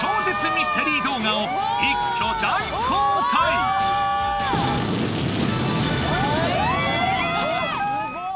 ミステリー動画を一挙大公開ええっ！